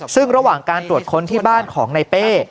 ซึ่งระหว่างการตรวจค้นที่บ้านของในเป้